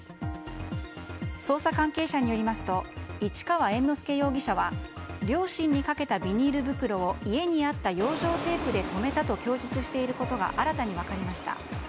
捜査関係者によりますと市川猿之助容疑者は両親にかけたビニール袋を家にあった養生テープで留めたと供述していることが新たに分かりました。